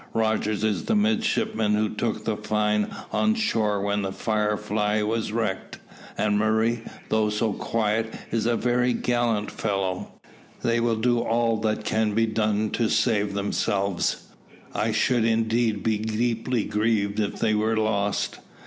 "Rogers is the midshipman who took the fine on shore when the Firefly was wrecked; and Murray, though so quiet, is a very gallant fellow. They will do all that can be done to save themselves. I should indeed be deeply grieved if they were lost."